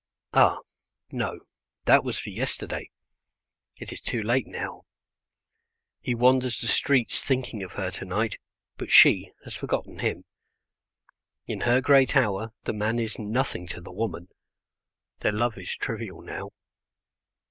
Ah, no, that was for yesterday; it is too late now. He wanders the streets thinking of her tonight, but she has forgotten him. In her great hour the man is nothing to the woman; their love is trivial now.